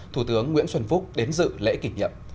thủ tướng nguyễn xuân phúc đến dự lễ kỷ niệm